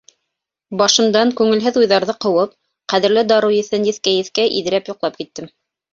Башымдан күңелһеҙ уйҙарҙы ҡыуып, ҡәҙерле дарыу еҫен еҫкәй-еҫкәй, иҙрәп йоҡлап киттем.